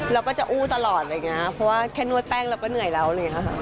เราก็จะอู้ตลอดเพราะว่าแค่นวดแป้งเราก็เหนื่อยแล้วเลยนะค่ะ